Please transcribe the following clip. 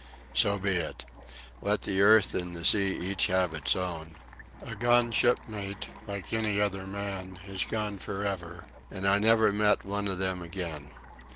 So be it! Let the earth and the sea each have its own. A gone shipmate, like any other man, is gone for ever; and I never met one of them again.